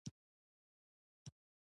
هغه د قربانۍ استازولي کوي.